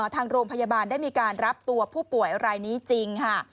ทางโรงพยาบาลได้มีการรับตัวผู้ป่วยรายนี้จริงค่ะ